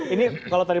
ini kalau terakhir